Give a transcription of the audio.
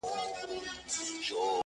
تور یم، موړ یمه د ژوند له خرمستیو.